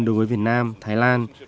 đối với việt nam thái lan